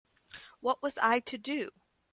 What was I to do?